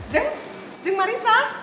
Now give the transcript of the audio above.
jeng jeng marissa